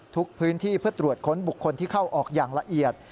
พื้นที่เพื่อตรวจค้นบุคคลที่เข้าออกอย่างละเอียด